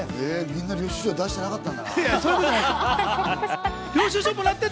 みんな、領収書出してなかったんだな。